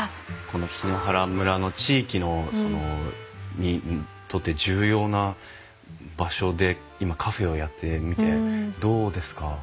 この檜原村の地域にとって重要な場所で今カフェをやってみてどうですか？